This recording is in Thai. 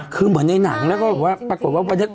คือเหมือนในหนังแล้วก็ปรากฏว่า